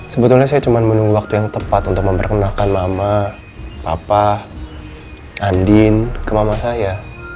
sebetulnya saya cuma menunggu waktu yang tepat untuk memperkenalkan mama papa andin ke mama saya